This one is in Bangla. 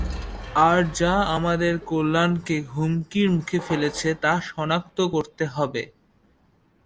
আর যা আমাদের কল্যাণকে হুমকির মুখে ফেলেছে, তা শনাক্ত করতে হবে।